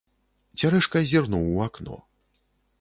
Цярэшка зірнуў у акно.